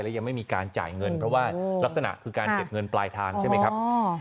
และยังไม่มีการจ่ายเงินเพราะว่ารักษณะคือการเก็บเงินปลายทางใช่ไหมครับ